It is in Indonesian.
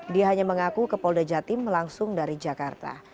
dia hanya mengaku ke polda jatim langsung dari jakarta